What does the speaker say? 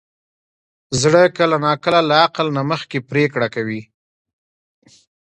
زړه کله ناکله له عقل نه مخکې پرېکړه کوي.